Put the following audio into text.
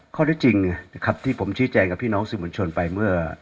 ข้อจริงจริงนะครับที่ผมชี้แจงกับพี่น้องสมุนชนไปเมื่อ